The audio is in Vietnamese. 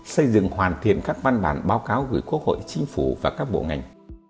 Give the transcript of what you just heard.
xây dựng hoàn thiện các văn bản báo cáo gửi quốc hội chính phủ và các bộ ngành